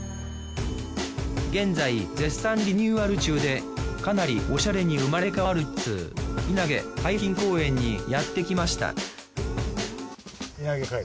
現在絶賛リニューアル中でかなりオシャレに生まれ変わるっつう稲毛海浜公園にやってきました稲毛海岸。